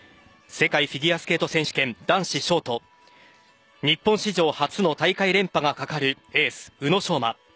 世界フィギュアスケート選手権男子ショート日本史上初の大会連覇がかかるエース・宇野昌磨。